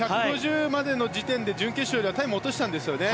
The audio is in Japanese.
１５０までの時点で準決勝よりはタイムを落としたんですね。